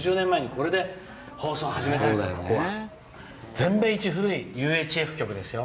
全米一古いＵＨＦ局ですよ。